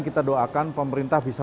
kita doakan pemerintah bisa